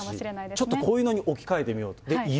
ちょっとこういうのに置き換えてみようと。